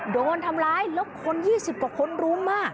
โดนทำร้ายลบคน๒๐กว่าคนลุมมาก